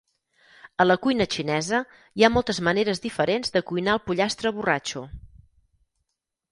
A la cuina xinesa, hi ha moltes maneres diferents de cuinar el pollastre borratxo.